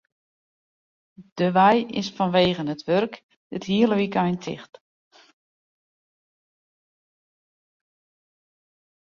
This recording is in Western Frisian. De wei is fanwegen it wurk dit hiele wykein ticht.